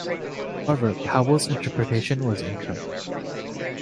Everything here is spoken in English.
However, Powell's interpretation was incorrect.